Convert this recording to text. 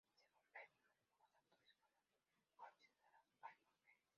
Según Bregman muy pocos actores fueron considerados para el papel.